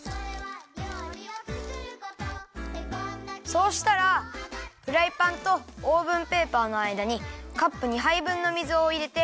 そうしたらフライパンとオーブンペーパーのあいだにカップ２はいぶんの水をいれて。